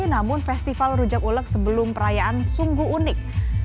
namun festival rujak ulek sebelum perayaan sungguh unik